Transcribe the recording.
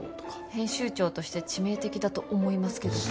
編集長として致命的だと思いますけど。